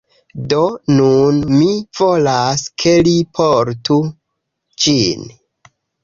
Do nun mi volas, ke li portu ĝin.